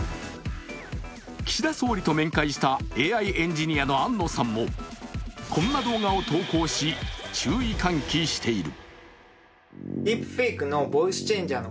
岸田総理と面会したＡＩエンジニアの安野さんもこんな動画を投稿し、注意喚起している。